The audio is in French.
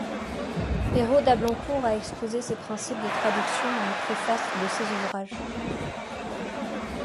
Perrot d'Ablancourt a exposé ses principes de traduction dans les préfaces de ses ouvrages.